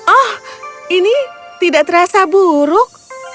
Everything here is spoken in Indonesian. oh ini tidak terasa buruk